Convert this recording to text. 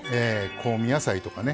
香味野菜とかね